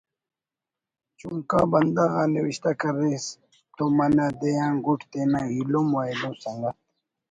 چنکا بندغ آ نوشتہ کریس تو منہ دے آن گڈ تینا ایلم و ایلو سنگت